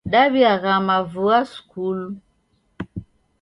Daw'iaghama vua skulu.